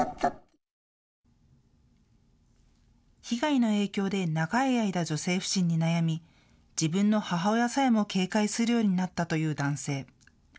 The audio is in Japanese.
被害の影響で長い間、女性不信に悩み自分の母親さえも警戒するようになったという男性。